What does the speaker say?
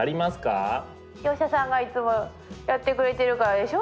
業者さんがいつもやってくれてるからでしょ？